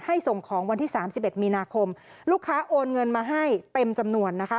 ให้ส่งของวันที่๓๑มีนาคมลูกค้าโอนเงินมาให้เต็มจำนวนนะคะ